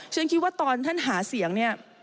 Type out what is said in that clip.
ฉันคิดว่าตอนท่านหาเสียงเนี่ย